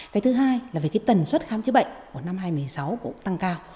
cái thứ hai là về cái tần suất khám chữa bệnh của năm hai nghìn một mươi sáu cũng tăng cao